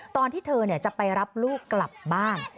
ตอนที่เธอจะไปรับลูกกลับบ้าน